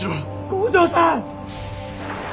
五条さん！